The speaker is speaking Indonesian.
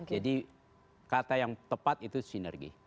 jadi kata yang tepat itu sinergi